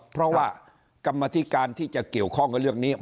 เพราะว่ากรรมธิการที่จะเกี่ยวข้องกับเรื่องนี้